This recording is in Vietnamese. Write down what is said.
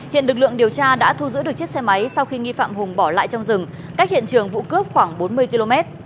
hiện lực lượng điều tra đã thu giữ được chiếc xe máy sau khi nghi phạm hùng bỏ lại trong rừng cách hiện trường vụ cướp khoảng bốn mươi km